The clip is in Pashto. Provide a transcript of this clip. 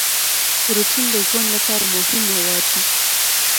پروټین د ژوند لپاره مهم مواد دي